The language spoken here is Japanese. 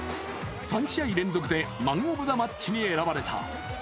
３試合連続でマン・オブ・ザ・マッチに選ばれた。